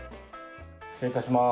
失礼いたします。